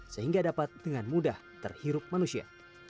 sehingga dapat dengan mudah terhirup manusia